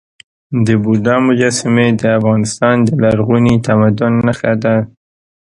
د بودا مجسمې د افغانستان د لرغوني تمدن نښه ده.